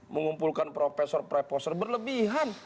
mengumpulkan profesor preposter berlebihan